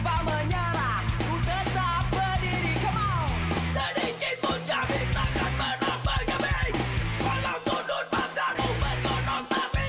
banjalan sempit yang selalu kulalui